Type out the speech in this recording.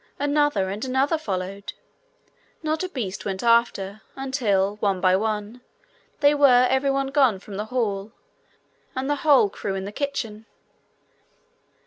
Another and another followed. Not a beast went after, until, one by one, they were every one gone from the hall, and the whole crew in the kitchen.